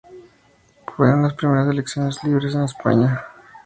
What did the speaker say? Fueron las primeras elecciones libres en España en cuarenta años.